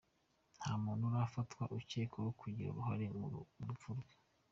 Nta muntu urafatwa ucyekwaho kugira uruhare mu rupfu rwe.